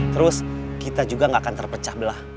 terus kita juga gak akan terpecah belah